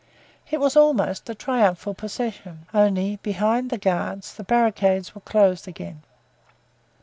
It was almost a triumphal procession; only, behind the guards the barricades were closed again.